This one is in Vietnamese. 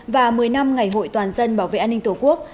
và một mươi năm ngày hội toàn dân bảo vệ an ninh tổ quốc